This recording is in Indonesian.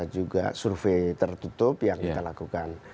juga survei tertutup yang kita lakukan